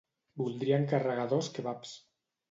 Voldria encarregar dos kebabs.